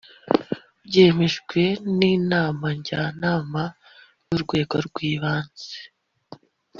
byemejwe n Inama Njyanama y urwego rw ibanze